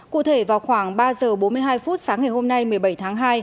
cụ thể vào khoảng ba giờ bốn mươi hai phút sáng ngày hôm nay một mươi bảy tháng hai